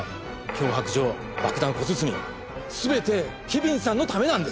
脅迫状爆弾小包全てケビンさんのためなんです！